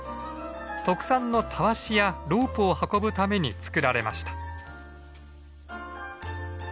特産のたわしやロープを運ぶために作られました。